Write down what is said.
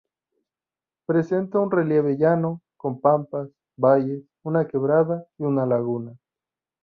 Presenta un relieve llano, con pampas, valles, una quebrada y una laguna.